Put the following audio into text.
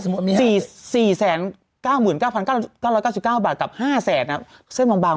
มันก็บอกว่าถ้าสมมุติมี๕๐๐๔๙๙๙๙๙บาทกับ๕๐๐บาทเส้นบาง